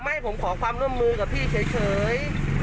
ให้ผมขอความร่วมมือกับพี่เฉย